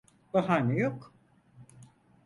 Bahane yok.